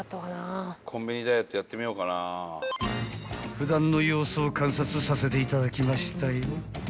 ［普段の様子を観察させていただきましたよ］